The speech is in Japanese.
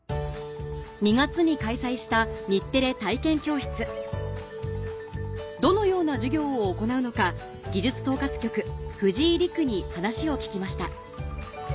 ２月に開催したどのような授業を行うのか技術統括局藤井陸に話を聞きました